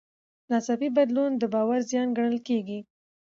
ناڅاپي بدلون د باور زیان ګڼل کېږي.